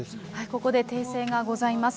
ここで訂正がございます。